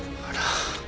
あら。